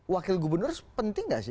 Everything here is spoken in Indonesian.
wakil gubernur penting gak sih